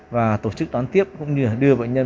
và tổ chức đón tiếp cũng như đưa bệnh nhân